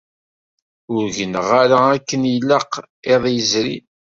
Ur gneɣ ara akken ilaq iḍ yezrin.